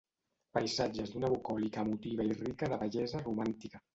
Paisatges d'una bucòlica emotiva i rica de bellesa romàntica.